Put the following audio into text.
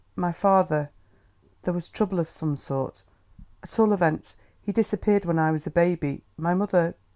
"My father ... There was trouble of some sort.... At all events, he disappeared when I was a baby. My mother